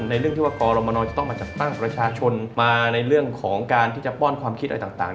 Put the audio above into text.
เรื่องที่ว่ากรมนจะต้องมาจัดตั้งประชาชนมาในเรื่องของการที่จะป้อนความคิดอะไรต่าง